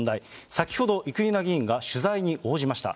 先ほど生稲議員が取材に応じました。